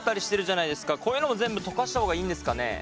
こういうのも全部溶かした方がいいんですかね？